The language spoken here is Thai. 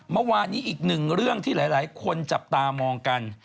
เมื่อวานนี้อีกหนึ่งเรื่องที่หลายคนจับตามองกัน